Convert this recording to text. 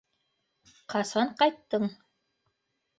Ҡасан ҡайттың?